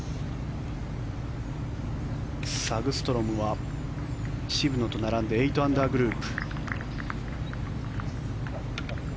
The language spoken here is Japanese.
サグストロムは渋野と並んで８アンダーグループ。